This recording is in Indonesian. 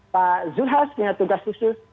pak zulhas punya tugas khusus